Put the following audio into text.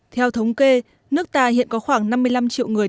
theo thống kê nước ta hiện có khoảng năm mươi năm triệu người